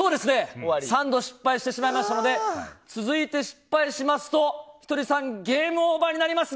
３度失敗してしまいましたので続いて失敗しますとひとりさんゲームオーバーになります。